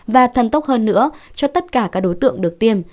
và thần tốc hơn nữa cho tất cả các đối tượng được tiêm